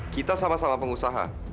kita sama sama pengusaha